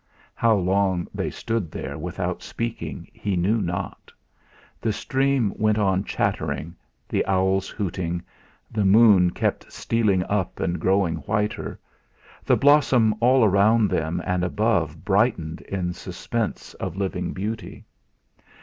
How long they stood there without speaking he knew not. The stream went on chattering, the owls hooting, the moon kept stealing up and growing whiter; the blossom all round them and above brightened in suspense of living beauty.